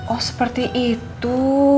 oh seperti itu